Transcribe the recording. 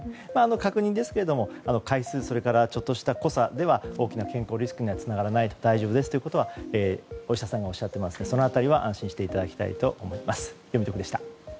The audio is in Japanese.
確認ですが回数そしてちょっとした濃さでは大きな健康リスクにはつながらない、大丈夫ですとお医者さんがおっしゃっているので安心していただきたいと思います。